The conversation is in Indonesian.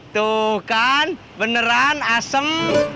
tuh kan beneran asem